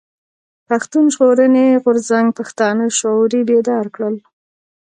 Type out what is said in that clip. پښتون ژغورني غورځنګ پښتانه شعوري بيدار کړل.